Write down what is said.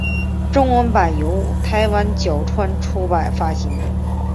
中文版由台湾角川出版发行。